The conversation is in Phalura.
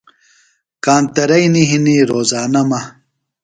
کانترئینی ہِنیۡ روزانہ مہ۔